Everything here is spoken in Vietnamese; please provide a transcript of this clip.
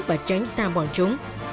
và tránh xa bọn chúng